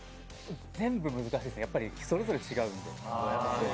全部難しいですね、やっぱりそれぞれ違うので。